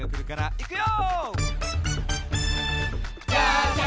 いくよ！